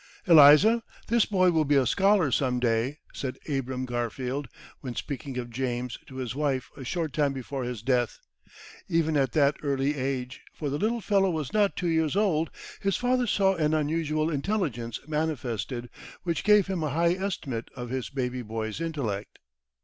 "Eliza, this boy will be a scholar some day!" said Abram Garfield when speaking of James to his wife a short time before his death. Even at that early age, for the little fellow was not two years old, his father saw an unusual intelligence manifested, which gave him a high estimate of his baby boy's intellect.